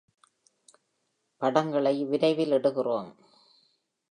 படங்களை விரைவில் இடுகிறோம்.